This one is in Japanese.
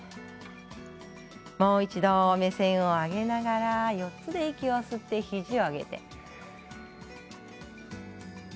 もう一度、目線を上げながら４つで息を吸って肘を上げます。